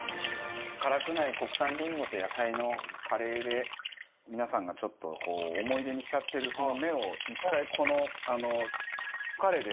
辛くない国産りんごと野菜のカレーで皆さんがちょっとこう思い出に浸っているその目を１回この。